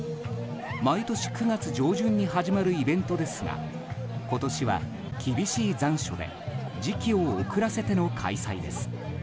毎年９月上旬に始まるイベントですが今年は厳しい残暑で時期を遅らせての開催です。